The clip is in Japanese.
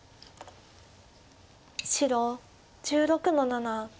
白１６の七取り。